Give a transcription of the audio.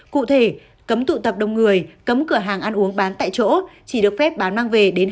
cụ thể cấm tụ tập đông người cấm cửa hàng ăn uống bán tại chỗ chỉ được phép bán mang về đến hai mươi một h